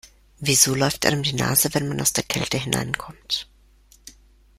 Wieso läuft einem die Nase, wenn man aus der Kälte hineinkommt?